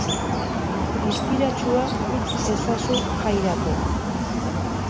Distiratsua utz ezazu jairako.